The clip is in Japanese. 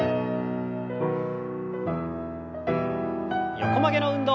横曲げの運動。